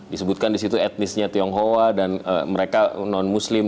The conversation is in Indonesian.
disebutkan disitu etnisnya tionghoa dan mereka non muslim